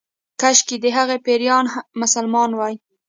کشکې د هغې پيريان مسلمان وای